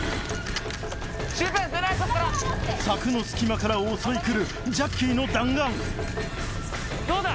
柵の隙間から襲い来るじゃっきの弾丸どうだ？